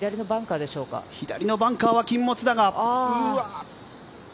左のバンカーは禁物だが。